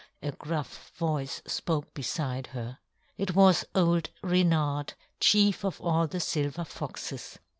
a gruff voice spoke beside her. It was old Reynard, chief of all the silver foxes.